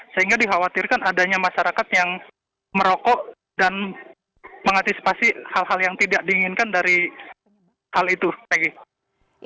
sehingga dikhawatirkan adanya masyarakat yang merokok dan mengantisipasi hal hal yang tidak diinginkan dari hal itu maggie